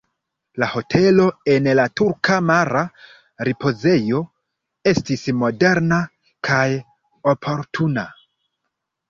La hotelo en la turka mara ripozejo estis moderna kaj oportuna.